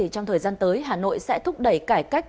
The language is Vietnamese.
trong thời gian tới hà nội sẽ thúc đẩy cải cách